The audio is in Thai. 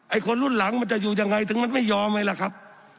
คนรุ่นหลังมันจะอยู่ยังไงถึงมันไม่ยอมไงล่ะครับ